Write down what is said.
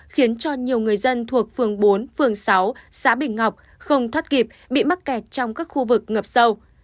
khiến cho nhiều người dân thuộc phường bốn phường sáu xã bình ngọc không thoát kịp bị mắc kẹt trong các khu vực ngập sâu